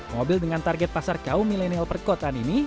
mobil dengan target pasar kaum milenial perkotaan ini